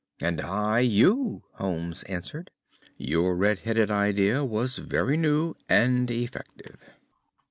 "And I you," Holmes answered. "Your red headed idea was very new and effective."